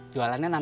bakal eh aneh om